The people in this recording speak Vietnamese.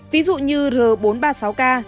ví dụ như r bốn trăm ba mươi sáu k